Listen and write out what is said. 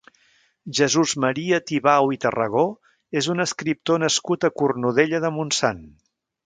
Jesús Maria Tibau i Tarragó és un escriptor nascut a Cornudella de Montsant.